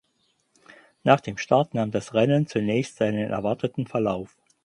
Nach dem Start nahm das Rennen zunächst seinen erwarteten Verlauf.